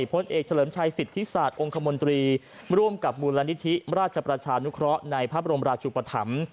พลเอกเฉลิมชัยสิทธิศาสตร์องค์คมนตรีร่วมกับมูลนิธิราชประชานุเคราะห์ในพระบรมราชุปธรรม